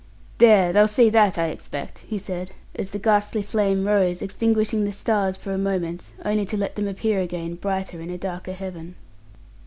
"There, they'll see that, I expect!" he said, as the ghastly flame rose, extinguishing the stars for a moment, only to let them appear again brighter in a darker heaven.